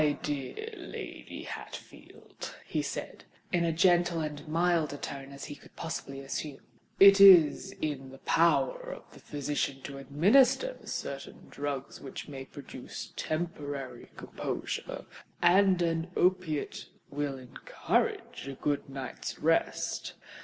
"My dear Lady Hatfield," he said, in as gentle and mild a tone as he could possibly assume, "it is in the power of the physician to administer certain drugs which may produce temporary composure; and an opiate will encourage a good night's rest.